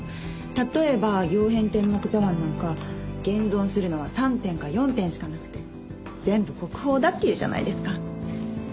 例えば曜変天目茶碗なんか現存するのは３点か４点しかなくて全部国宝だっていうじゃないですか。